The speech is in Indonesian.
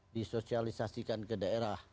disosialisasikan ke daerah